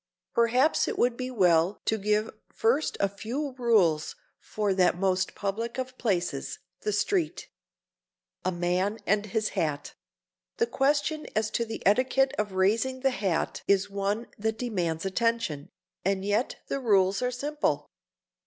Perhaps it would be well to give first a few rules for that most public of places,—the street. [Sidenote: A MAN AND HIS HAT] The question as to the etiquette of raising the hat is one that demands attention,—and yet the rules are simple.